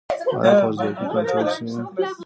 آیا خوارځواکي کنټرول شوې؟